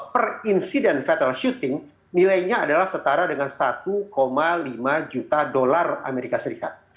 perinsiden fatal shooting nilainya adalah setara dengan satu lima juta dolar amerika serikat